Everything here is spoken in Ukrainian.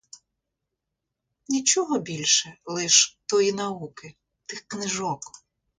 Нічого більше, лиш тої науки, тих книжок.